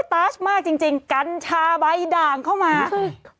ตาสมากจริงจริงกัญชาใบด่างเข้ามาเฮ้ย